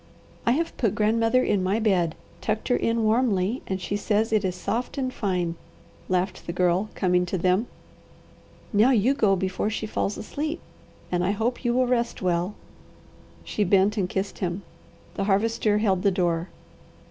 "I have put grandmother in my bed, tucked her in warmly, and she says it is soft and fine," laughed the Girl, coming to them. "Now you go before she falls asleep, and I hope you will rest well." She bent and kissed him. The Harvester held the door.